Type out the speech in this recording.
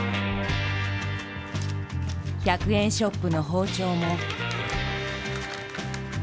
１００円ショップの包丁も。